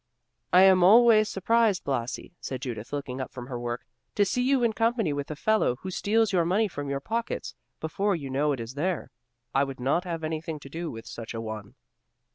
"I am always surprised, Blasi," said Judith, looking up from her work, "to see you in company with a fellow, who steals your money from your pockets, before you know it is there. I would not have anything to do with such a one."